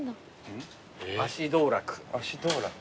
足道楽。